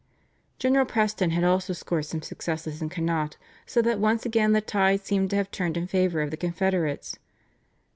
General Preston had also scored some successes in Connaught, so that once again the tide seemed to have turned in favour of the Confederates.